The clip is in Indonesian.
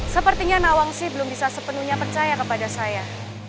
sepertinya nawang sih belum bisa sepenuhnya percaya kepada saya